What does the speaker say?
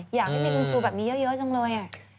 อยากให้มีคุณครูแบบนี้เยอะจังเลย